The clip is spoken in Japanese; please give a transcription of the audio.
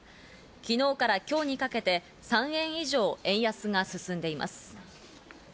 昨日から今日にかけて３円以上円安が進んでいます。